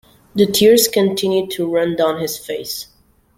The tears continued to run down his face.